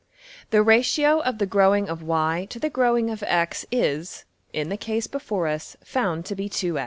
The ratio of the growing of $y$ to the growing of $x$ is, in the case before us, found to be $2x$.